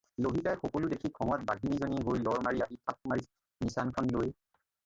লভিতাই সকলো দেখি খঙত বাঘিনী জনী হৈ লৰ মাৰি আহি থাপ মাৰি নিচানখন লৈ